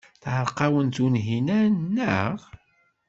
Teɛreq-awen Tunhinan, naɣ?